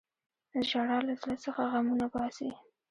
• ژړا له زړه څخه غمونه باسي.